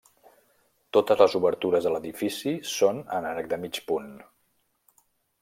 Totes les obertures de l'edifici són en arc de mig punt.